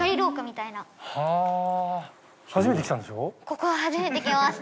ここは初めて来ました。